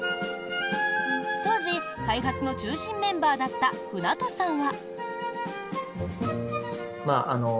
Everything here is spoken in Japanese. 当時、開発の中心メンバーだった舟渡さんは。